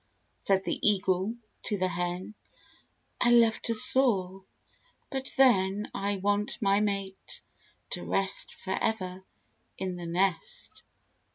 said the Eagle to the Hen; "I love to soar, but then I want my mate to rest Forever in the nest!"